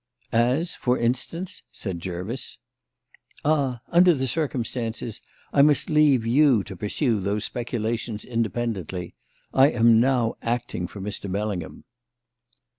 "As, for instance?" said Jervis. "Ah, under the circumstances, I must leave you to pursue those speculations independently. I am now acting for Mr. Bellingham."